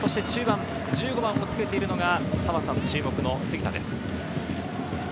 １５番をつけているのが澤さん注目の杉田です。